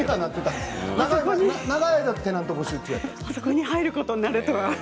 あそこに入ることになるとは。